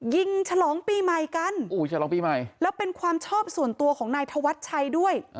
ยิงฉลองปีใหม่กันและเป็นความชอบส่วนตัวของนายทวชชัยด้วย